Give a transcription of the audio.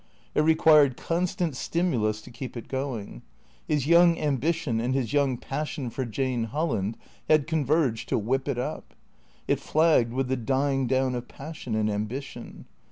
It required constant stimulus to keep it going. His young ambi tion and his young passion for Jane Holland had converged to whip it up. It flagged with the dying down of passion and ambition.